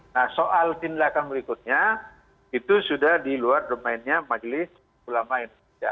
nah soal tindakan berikutnya itu sudah di luar domainnya majelis ulama indonesia